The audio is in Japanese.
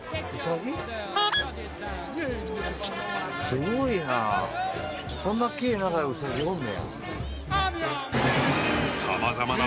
すごいな。